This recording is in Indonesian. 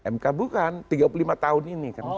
mk bukan tiga puluh lima tahun ini